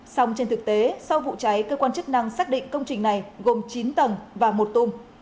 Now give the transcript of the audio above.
xong trên thực tế sau vụ cháy cơ quan chức năng xác định công trình này gồm chín tầng và một tung